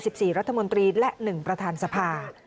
ด้วย๑รัฐมนตรีและ๑ประธานทรษภา